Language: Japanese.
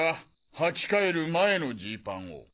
はき替える前のジーパンを。